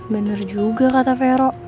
bener juga kata vero